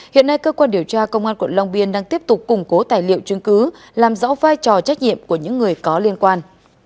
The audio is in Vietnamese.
hiện nay cơ quan điều tra công an quận long biên đang tiếp tục củng cố tài liệu chứng cứ làm rõ vai trò trách nhiệm của những người có liên quan